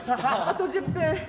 あと１０分。